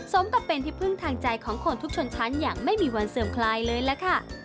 สมกับเป็นที่พึ่งทางใจของคนทุกชนชั้นอย่างไม่มีวันเสื่อมคลายเลยล่ะค่ะ